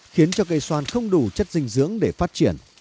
khiến cho cây xoan không đủ chất dinh dưỡng để phát triển